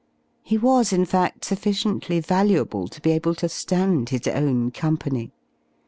He was, in fad, sufficiently valuable to be able to Hand his own company.